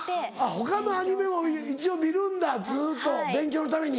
他のアニメも一応見るんだずっと勉強のために。